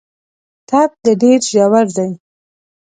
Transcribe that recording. ټپ دي ډېر ژور دی .